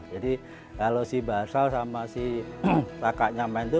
jadi kalau si basral sama si pakak nyaman itu